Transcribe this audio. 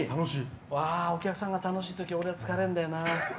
お客さんが楽しいとき俺は疲れるんだよな。